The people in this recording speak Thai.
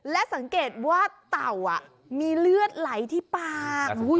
และสังเกตว่าเต่ามีเลือดไหลที่ปาก